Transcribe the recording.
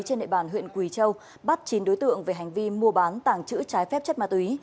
trên nệ bàn huyện quỳ châu bắt chín đối tượng về hành vi mua bán tảng chữ trái phép chất ma túy